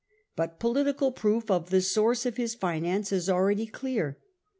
But political proof of the source of a his finance is already clear.